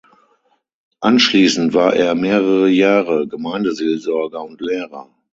Anschließend war er mehrere Jahre Gemeindeseelsorger und Lehrer.